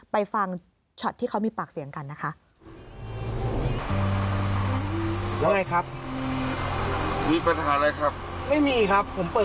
ไปฟังช็อตที่เขามีปากเสียงกันนะคะ